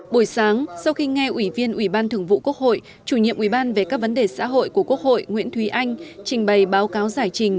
buổi sáng sau khi nghe ủy viên ủy ban thường vụ quốc hội chủ nhiệm ủy ban về các vấn đề xã hội của quốc hội nguyễn thúy anh trình bày báo cáo giải trình